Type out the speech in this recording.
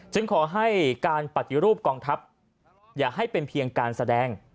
ขอให้การปฏิรูปกองทัพอย่าให้เป็นเพียงการแสดง